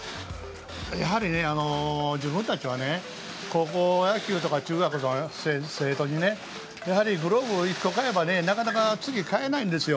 やはり、自分たちは高校野球とか中学の生徒にグローブ、１個買うとなかなか次は買えないんですよ。